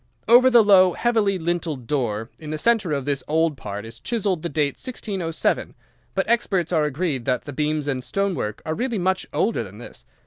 Over the low, heavily lintelled door, in the centre of this old part, is chiseled the date, 1607, but experts are agreed that the beams and stonework are really much older than this.